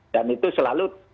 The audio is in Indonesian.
dan itu selalu terjadi